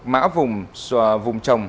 mã vùng trồng